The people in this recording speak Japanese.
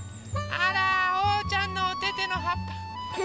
あらおうちゃんのおててのはっぱ。